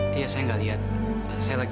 tidak sampai dibahas seimbang